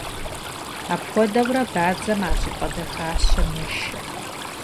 Апхуэдэурэ бадзэм ар щӏыпӏэ дахащэм ешэ.